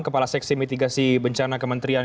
kepala seksi mitigasi bencana kementerian